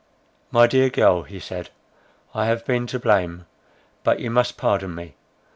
"My dear girl," he said, "I have been to blame; but you must pardon me.